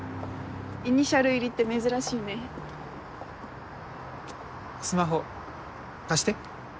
イニシャル入りって珍しいねスマホ貸して？